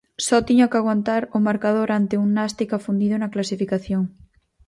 Só tiña que aguantar o marcador ante un Nástic afundido na clasificación.